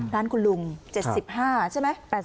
ร้านคุณลุง๗๕ใช่ไหม